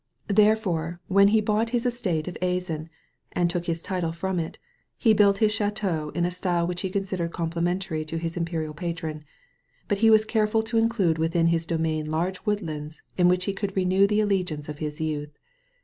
Therefore when he bought his estate of Azan (and took his title from it) he built his ch&teau in a style which he considered complimentary to his imperial patron, but he was careful also to include within his domain large woodlands in which he could renew the allegiance of his youth.